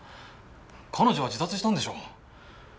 彼女は自殺したんでしょ？